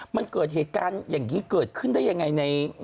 มันเกิดเหตุการณ์อย่างนี้เกิดขึ้นได้ยังไงใน